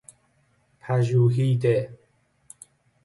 پژوهیده